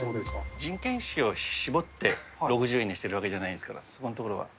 人件費を絞って６０円にしてるわけじゃないですから、そこのところは。